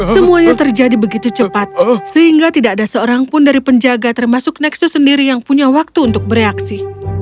semuanya terjadi begitu cepat sehingga tidak ada seorang pun dari penjaga termasuk nexus sendiri yang punya waktu untuk bereaksi